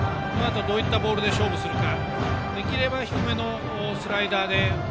どういったボールで勝負するか。